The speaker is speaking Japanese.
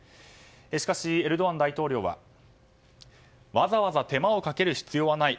しかし、エルドアン大統領はわざわざ手間をかける必要はない。